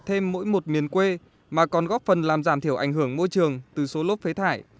thêm mỗi một miền quê mà còn góp phần làm giảm thiểu ảnh hưởng môi trường từ số lốp phế thải